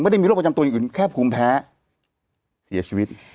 ได้มีโรคประจำตัวอย่างอื่นแค่ภูมิแพ้เสียชีวิต